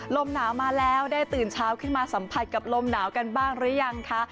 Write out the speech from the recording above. ลมหนาวมาแล้วได้ตื่นเช้าขึ้นมาสัมผัสกับลมหนาวกันบ้างหรือยังคะ